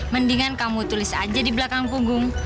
mendingan kamu tulis aja di belakang punggung